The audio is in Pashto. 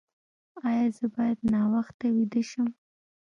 ایا زه باید ناوخته ویده شم؟